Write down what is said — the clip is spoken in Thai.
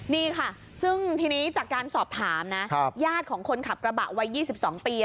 นี่ค่ะซึ่งทีนี้จากการสอบถามนะญาติของคนขับกระบะวัย๒๒ปี